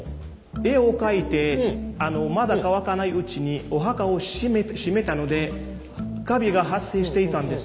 絵を描いてまだ乾かないうちにお墓を閉めたのでカビが発生していたんです。